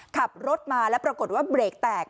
ขับรถมาแล้วปรากฏว่าเบรกแตก